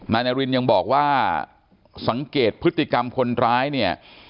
นายนารินยังบอกว่าสังเกตพฤติกรรมคนร้ายเนี่ย